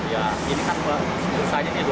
ya ini kan selesainya dua puluh empat jam